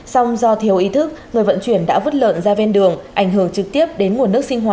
song do thiếu ý thức người vận chuyển